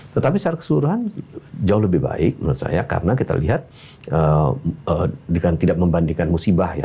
tetapi secara keseluruhan jauh lebih baik menurut saya karena kita lihat dengan tidak membandingkan musibah ya